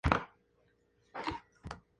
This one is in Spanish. Maestro de obra de la Seo.